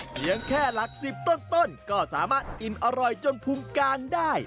เพียงแค่หลัก๑๐ต้นก็สามารถอิ่มอร่อยจนพุงกางได้